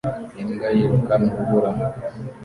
Imbwa yiruka mu rubura